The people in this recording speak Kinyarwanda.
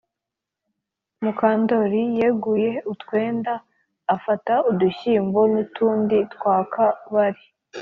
Mukandori yeguye utwenda afata udushyimbo nutundi twaka bari